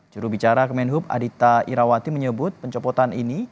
jurubicara kemenhub adita irawati menyebut pencopotan ini